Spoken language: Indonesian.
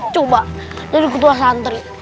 coba jadi ketua santri